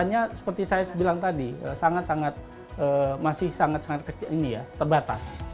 hanya seperti saya bilang tadi sangat sangat masih sangat sangat kecil ini ya terbatas